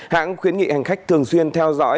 hãng khuyến nghị hành khách thường xuyên theo dõi